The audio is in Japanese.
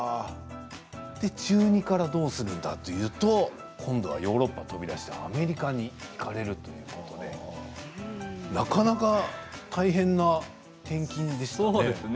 中２からどうするんだというと今度はヨーロッパを飛び出してアメリカに行かれるということでなかなか大変な転勤ですね。